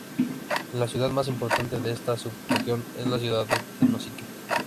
La ciudad más importante de esta sub región, es la ciudad de Tenosique.